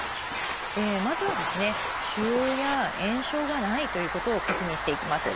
まずは腫瘍や炎症がないということを確認していきます。